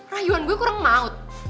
rayuan gue kurang maut